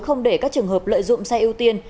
không để các trường hợp lợi dụng xe ưu tiên